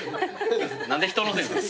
何で人のせいに。